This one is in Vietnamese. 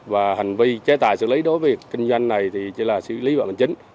và hành vi chế tài xử lý đối với việc kinh doanh này chỉ là xử lý bằng chính